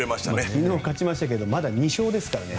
昨日、勝ちましたけどまだ２勝ですからね。